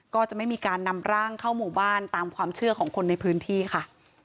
ก็จะไม่มีการนำร่างเข้าหมู่บ้านตามความเชื่อของคนในพื้นที่ค่ะ